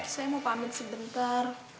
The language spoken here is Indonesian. saya mau pamit sebentar